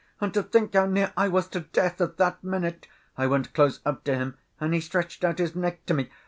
And to think how near I was to death at that minute, I went close up to him and he stretched out his neck to me!...